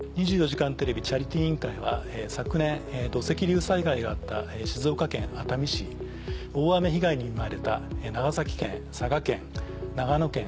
「２４時間テレビチャリティー委員会」は昨年土石流災害があった静岡県熱海市大雨被害に見舞われた長崎県佐賀県長野